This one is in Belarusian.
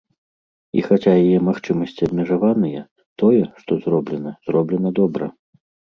І хаця яе магчымасці абмежаваныя, тое, што зроблена, зроблена добра.